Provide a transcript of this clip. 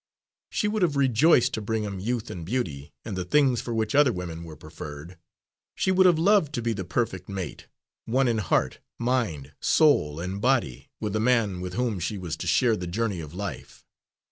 She would have rejoiced to bring him youth and beauty, and the things for which other women were preferred; she would have loved to be the perfect mate, one in heart, mind, soul and body, with the man with whom she was to share the journey of life.